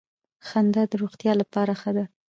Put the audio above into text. خندا د روغتیا لپاره ښه ده